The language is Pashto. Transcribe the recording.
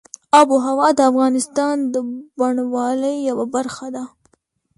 آب وهوا د افغانستان د بڼوالۍ یوه برخه ده.